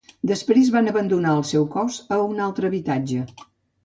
Després van abandonar el seu cos a un altre habitatge.